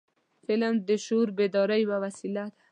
فلم د شعور بیدارۍ یو وسیله ده